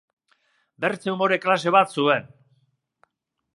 Bertze umore klase bat zuen.